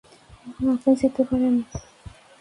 এখন আপনি যেতে পারেন।